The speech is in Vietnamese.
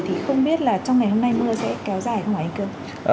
thì không biết là trong ngày hôm nay mưa sẽ kéo dài không hả anh cương